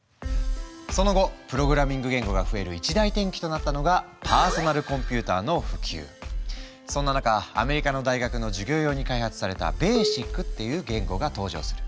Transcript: その後プログラミング言語が増える一大転機となったのがそんな中アメリカの大学の授業用に開発された「ＢＡＳＩＣ」っていう言語が登場する。